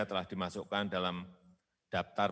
telah dimasukkan dalam daftar